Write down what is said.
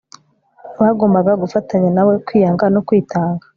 bagombaga gufatanya nawe kwiyanga no kwitanga